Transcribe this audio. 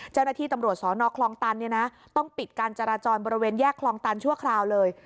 เจ้าหน้าที่ตำรวจสนคลองตันต้องปิดการจราจรบริเวณแยกคลองตันชั่วคราวเลย